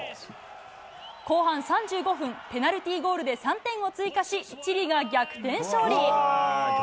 後半３５分、ペナルティーゴールで３点を追加し、チリが逆転勝利。